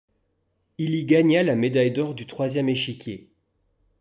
Il y gagna la médaille d'or du troisième échiquier.